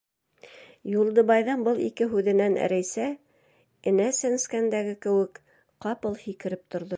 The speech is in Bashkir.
Юлдыбайҙың был ике һүҙенән Рәйсә, энә сәнскәндәге кеүек, ҡапыл һикереп торҙо.